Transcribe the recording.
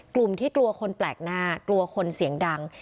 กลัวที่กลัวคนแปลกหน้ากลัวคนเสียงดัง